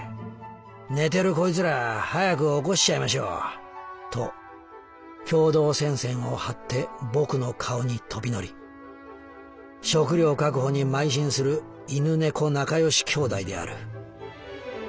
寝てるコイツら早く起こしちゃいましょう！』と共同戦線を張って僕の顔に飛び乗り食料確保に邁進する犬猫なかよしきょうだいである」。